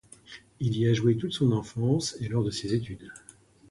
Il y a joué toute son enfance et lors de ses études.